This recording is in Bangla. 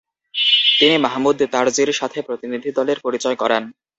তিনি মাহমুদ তারজির সাথে প্রতিনিধিদলের পরিচয় করান।